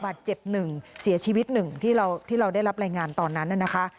บาดเจ็บ๑เสียชีวิต๑ที่เราได้รับรายงานตอนนั้นนะนะคะ